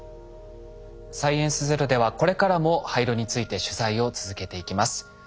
「サイエンスＺＥＲＯ」ではこれからも廃炉について取材を続けていきます。